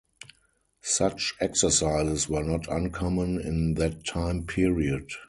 Such exercises were not uncommon in that time period.